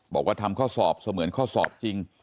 บอกว่าทำข้อสอบเสมือนข้อสอบจริง